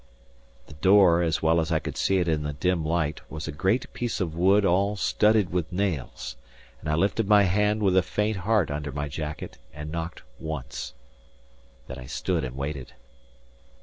The door, as well as I could see it in the dim light, was a great piece of wood all studded with nails; and I lifted my hand with a faint heart under my jacket, and knocked once. Then I stood and waited.